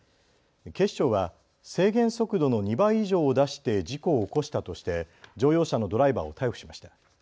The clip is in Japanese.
警視庁は制限速度の２倍以上を出して事故を起こしたとして乗用車のドライバーを逮捕しました。